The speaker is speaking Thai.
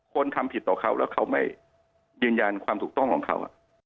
คนทำผิดต่อเขาแล้วเขาไม่ยืนยันความถูกต้องของเขา